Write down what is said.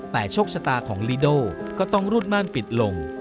แต่โชคชะตาของลีโดก็ต้องรูดม่านปิดลง